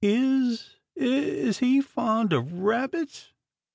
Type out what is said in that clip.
"Is is he fond of Rabbits?"